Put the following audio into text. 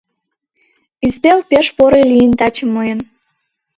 Ӱстел пеш поро лийын таче мыйын.